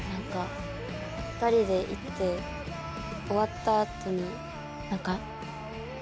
２人で行って終わった後に何か。